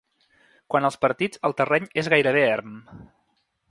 Quant als partits el terreny és gairebé erm.